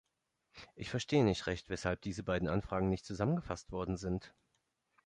Ich verstehe nicht recht, weshalb diese beiden Anfragen nicht zusammengefasst worden sind.